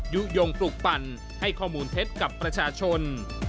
ยุโยงปลุกปั่นให้ข้อมูลเท็จกับประชาชน